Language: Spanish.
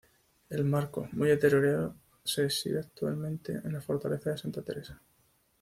El marco, muy deteriorado se exhibe actualmente en la Fortaleza de Santa Teresa.